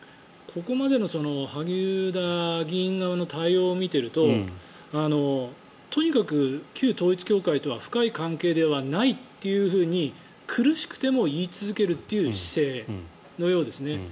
ここまでの萩生田議員側の対応を見ているととにかく旧統一教会とは深い関係ではないというふうに苦しくても言い続けるという姿勢のようですね。